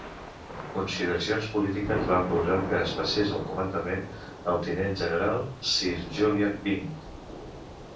Consideracions polítiques van causar que es passés el comandament al tinent general Sir Julian Byng.